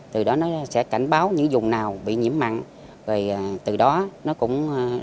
từ đó nó cũng